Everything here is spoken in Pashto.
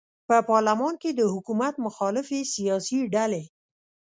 په پارلمان کې د حکومت مخالفې سیاسي ډلې